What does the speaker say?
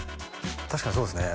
確かにそうですね